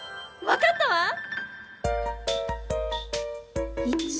わかったわ！